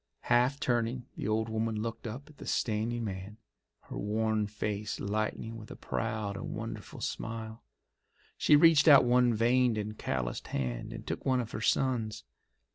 Half turning, the old woman looked up at the standing man, her worn face lighting with a proud and wonderful smile. She reached out one veined and calloused hand and took one of her son's.